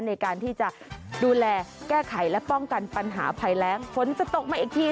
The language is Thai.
ในการที่จะดูแลแก้ไขและป้องกันปัญหาภัยแรงฝนจะตกมาอีกที